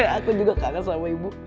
aku juga kangen sama ibu